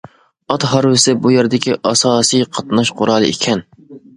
ئات ھارۋىسى بۇ يەردىكى ئاساسى قاتناش قورالى ئىكەن.